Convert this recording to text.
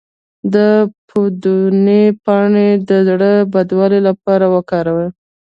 د پودینې پاڼې د زړه بدوالي لپاره وکاروئ